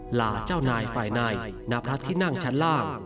หล่าเจ้านายฝ่ายในณพระที่นั่งชั้นล่าง